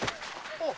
あっ！